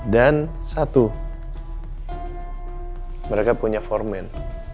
dan satu mereka punya foreman